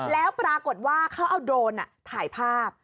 แล้วปรากฏว่าเขาเอาโดรนถ่ายภาพ